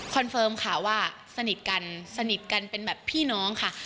เฟิร์มค่ะว่าสนิทกันสนิทกันเป็นแบบพี่น้องค่ะ